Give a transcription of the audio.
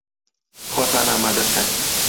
خۆتان ئامادە بکەن!